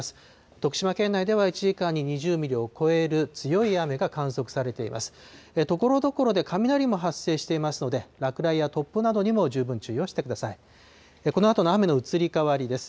徳島県内では１時間に２０ミリを超える強い雨が観測されています。